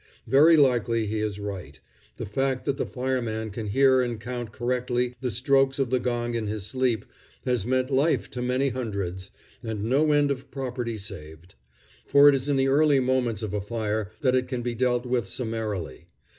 Very likely he is right. The fact that the fireman can hear and count correctly the strokes of the gong in his sleep has meant life to many hundreds, and no end of property saved; for it is in the early moments of a fire that it can be dealt with summarily.